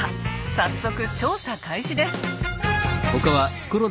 早速調査開始です。